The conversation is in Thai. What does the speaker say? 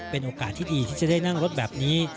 เป็นโอกาสที่ดีที่จะได้นั่งรถแบบนี้